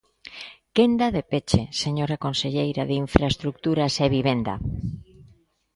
Quenda de peche, señora conselleira de Infraestruturas e Vivenda.